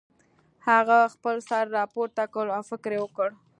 هغه خپل سر راپورته کړ او فکر یې وکړ